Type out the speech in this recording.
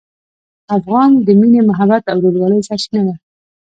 افغان د مینې، محبت او ورورولۍ سرچینه ده.